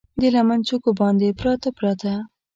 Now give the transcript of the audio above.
د لمن څوکو باندې، پراته، پراته